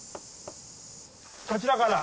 あちらから。